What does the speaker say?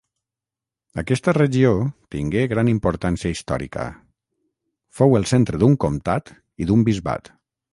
Aquesta regió tingué gran importància històrica: fou el centre d'un comtat i d'un bisbat.